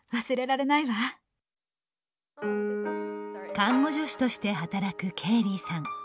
看護助手として働くケイリーさん。